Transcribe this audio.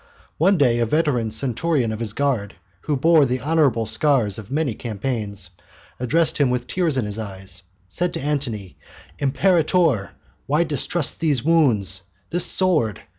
One day a veteran centurion of his guard, who bore the honourable scars of many campaigns, addressing him with tears in his eyes, said to Antony: "Imperator, why distrust these wounds, this sword?